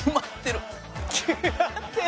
きまってる。